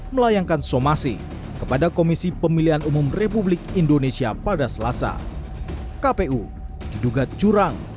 melayangkan somasi kepada komisi pemilihan umum republik indonesia pada selasa kpu diduga curang